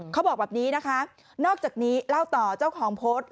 เขาบอกแบบนี้นะคะนอกจากนี้เล่าต่อเจ้าของโพสต์